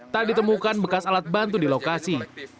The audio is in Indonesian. tak ditemukan bekas alat bantu di lokasi